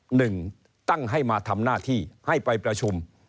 หนึ่งตั้งให้มาทำหน้าที่ให้ไปประชุม